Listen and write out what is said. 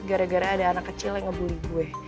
gara gara ada anak kecil yang ngebully gue